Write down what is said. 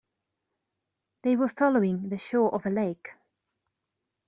They were following the shore of a lake.